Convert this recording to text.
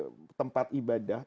mengasih karpet di tempat ibadah